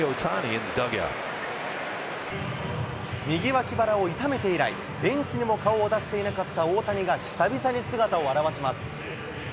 右脇腹を痛めて以来、ベンチにも顔を出していなかった大谷が、久々に姿を現します。